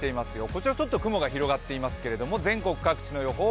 こちら雲が広がっていますけれども、全国各地の予報